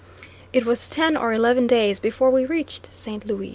It was ten or eleven days before we reached St. Louis.